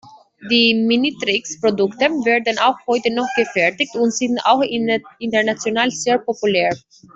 Die Minitrix-Produkte werden auch heute noch gefertigt und sind auch international sehr populär.